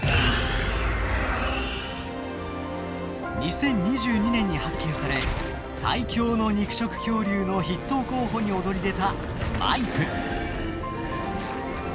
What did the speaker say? ２０２２年に発見され最強の肉食恐竜の筆頭候補に躍り出たマイプ。